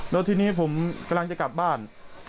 แล้วทีนี้ผมกำลังจะกลับบ้าน